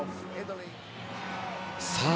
さあ、